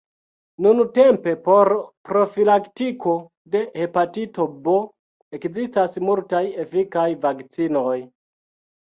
Nuntempe por profilaktiko de hepatito B ekzistas multaj efikaj vakcinoj.